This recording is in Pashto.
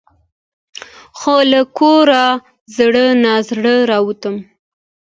خو له کوره زړه نا زړه راوتم .